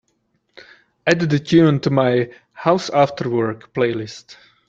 Add the tune to my House Afterwork playlist.